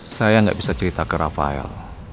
saya gak bisa cerita ke raffer